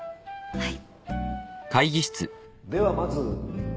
はい。